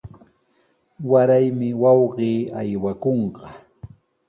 Waraymi wawqii aywakunqa.